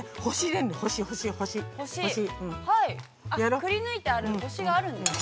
◆くりぬいてある、星があるんですね。